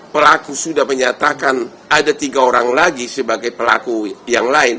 pelaku sudah menyatakan ada tiga orang lagi sebagai pelaku yang lain